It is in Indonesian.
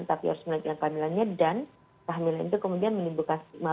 tapi harus melanjutkan kehamilannya dan kehamilan itu kemudian menimbulkan stigma